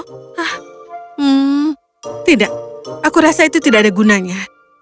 hmm tidak aku rasa itu tidak ada gunanya